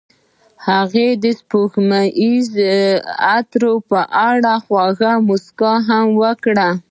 هغې د سپوږمیز عطر په اړه خوږه موسکا هم وکړه.